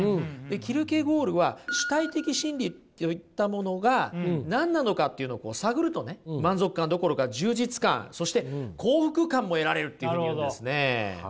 キルケゴールは主体的真理といったものが何なのかっていうのを探るとね満足感どころか充実感そして幸福感も得られるっていうふうに言うんですね。